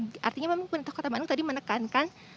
artinya memang pemerintah kota bandung tadi menekankan